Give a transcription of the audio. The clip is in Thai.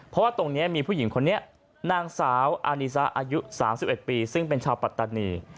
เพราะว่าตรงนี้มีผู้หญิงคนนี้นางสาวอานีซะอายุ๓๑ปีซึ่งเป็นชาวปัตตานี